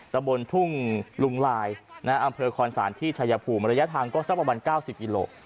ตะบนทุ่งลุงลายอำเภอคอนศาลที่ชายภูมิระยะทางก็สักประมาณ๙๐กิโล